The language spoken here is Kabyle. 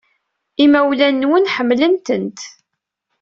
Imawlan-nwen ḥemmlen-tent.